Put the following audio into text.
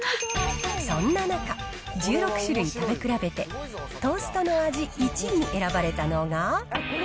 そんな中、１６種類食べ比べて、トーストの味１位に選ばれたのが。